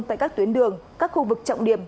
tại các tuyến đường các khu vực trọng điểm